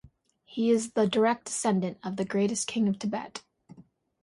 He is the direct descendant of the greatest king of Tibet.